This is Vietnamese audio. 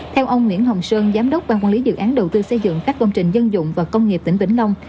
theo ông nguyễn hồng sơn giám đốc ban quản lý dự án đầu tư xây dựng các công trình dân dụng và công nghiệp tỉnh vĩnh long